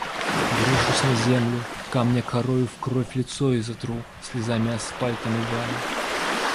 Брошусь на землю, камня корою в кровь лицо изотру, слезами асфальт омывая.